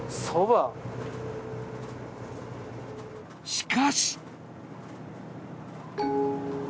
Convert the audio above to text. しかし。